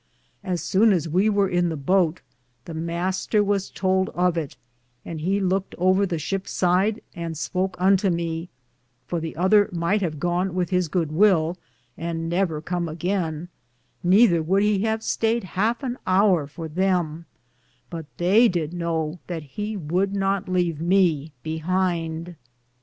Assowne as we weare in the boate, the Mr. was tould of it, and he louked over the ship side, and spoke unto me, for the other myghte have gone with his good will, and nevere com again, nether woulde he have stayed halfe an hour for them ; but theye did know that he would not leave* me behinde.